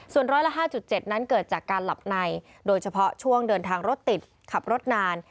ส่วนร้อยละ๕๗นั้นเกิดจากการหลับในโดยเฉพาะช่วงเดินทางรถติดขับรถนาน